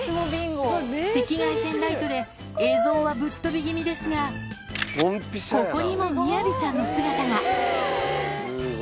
赤外線ライトで映像はぶっ飛び気味ですが、ここにもみやびちゃんの姿が。